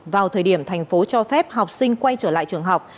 vào thời điểm tp hcm cho phép học sinh quay trở lại trường học